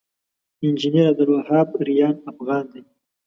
انجنير عبدالوهاب ريان افغان دی